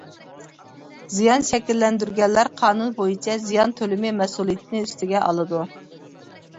زىيان شەكىللەندۈرگەنلەر قانۇن بويىچە زىيان تۆلىمى مەسئۇلىيىتىنى ئۈستىگە ئالىدۇ.